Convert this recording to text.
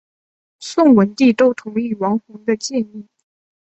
宋文帝都同意王弘的建议。